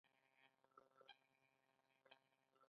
د میرمنو کار د ښځو باور لوړولو مرسته ده.